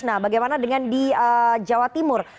nah bagaimana dengan di jawa timur